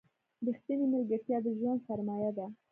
رښتینې ملګرتیا د ژوند سرمایه ده.